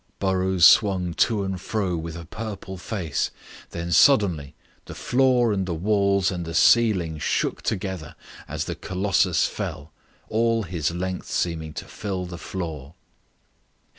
Burrows swung to and fro with a purple face. Then suddenly the floor and the walls and the ceiling shook together, as the colossus fell, all his length seeming to fill the floor.